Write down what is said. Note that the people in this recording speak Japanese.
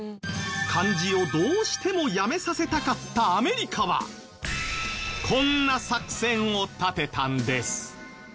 漢字をどうしてもやめさせたかったアメリカはこんな作戦を立てたんです。